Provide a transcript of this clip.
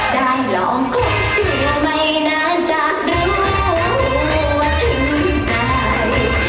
ได้รองคงอยู่แล้วไม่นานจากรั้งแรกแล้วโหวะถึงใจ